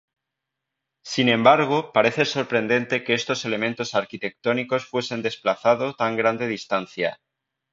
Sin embargo, parece sorprendente que estos elementos arquitectónicos fuesen desplazado tan gran distancia.